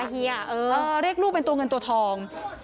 เฮียเรียกลูกเป็นตัวเงินตัวทอง